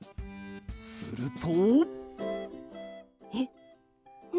すると。